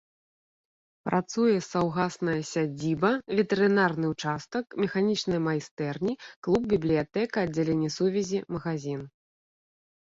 Працуе саўгасная сядзіба, ветэрынарны ўчастак, механічныя майстэрні, клуб, бібліятэка, аддзяленне сувязі, магазін.